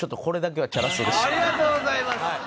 ありがとうございます！